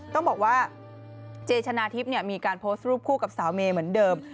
ต้องบอกว่าเจชนะทิพย์มีการโพสต์รูปคู่กับสาวเมย์เหมือนเดิม